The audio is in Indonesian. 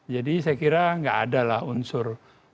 jadi saya kira tidak ada lah unsur